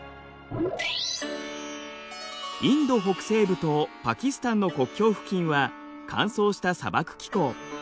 インド北西部とパキスタンの国境付近は乾燥した砂漠気候。